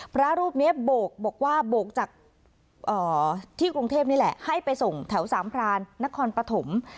พระรูปนี้โบกบอกว่าโบกจากที่กรุงเทพนี่แหละให้ไปส่งแถวสามพรานนครปฐม